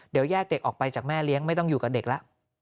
เดี๋ยวแยกเด็กออกไปจากแม่เลี้ยงไม่ต้องอยู่กับเด็กแล้ว